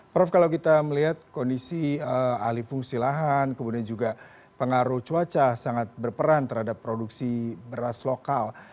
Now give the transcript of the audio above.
prof kalau kita melihat kondisi ahli fungsi lahan kemudian juga pengaruh cuaca sangat berperan terhadap produksi beras lokal